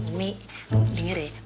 umi denger ya